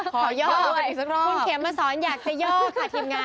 ขอยอดคุณเขมมาสอนอยากจะยอกค่ะทีมงาน